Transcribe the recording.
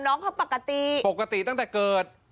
น้องเขาปกติปกติตั้งแต่เกิด